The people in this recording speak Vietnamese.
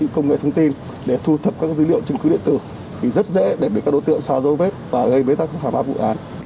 công nghệ thông tin để thu thập các dữ liệu chứng cứ điện tử thì rất dễ để được các đối tượng xóa dấu vết và gây bế tắc hàng hóa vụ án